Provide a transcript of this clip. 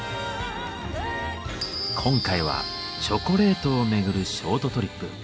今回はチョコレートをめぐるショートトリップ。